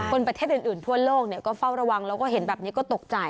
ประเทศอื่นทั่วโลกก็เฝ้าระวังแล้วก็เห็นแบบนี้ก็ตกใจ